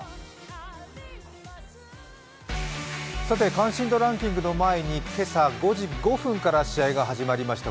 関心度ランキングの前に今朝、５時５分から試合が始まりました